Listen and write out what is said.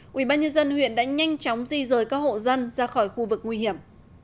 quỹ ban nhân dân huyện đã nhanh chóng di rời các hộ dân ra khỏi khu vực nguy hiểm